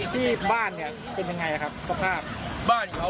ที่บ้านเป็นยังไงครับว่าครับ